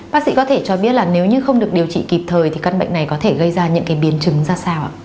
bác sĩ có thể cho biết là nếu như không được điều trị kịp thời thì căn bệnh này có thể gây ra những biến chứng ra sao ạ